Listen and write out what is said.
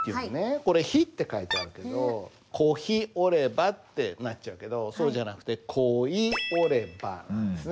これ「ひ」って書いてあるけど「恋ひ居れば」ってなっちゃうけどそうじゃなくて「恋い居れば」なんですね